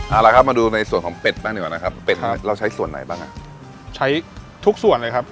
เอาละครับมาดูในส่วนของเป็ดบ้างดีกว่านะครับเป็ดเราใช้ส่วนไหนบ้างอ่ะใช้ทุกส่วนเลยครับ